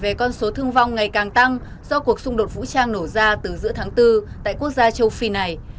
về con số thương vong ngày càng tăng do cuộc xung đột vũ trang nổ ra từ giữa tháng bốn tại quốc gia châu phi này